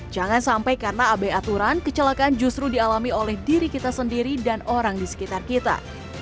jangan sampai karena abai aturan kecelakaan justru dialami oleh diri kita sendiri dan orang di sekitar kita